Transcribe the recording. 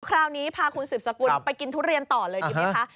คราวนี้พาคุณสืบสกุลไปกินทุเรียนต่อเลยดีไหมคะ